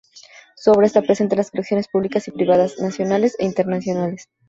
Su obra esta presente en colecciones públicas y privadas nacionales e internacionales.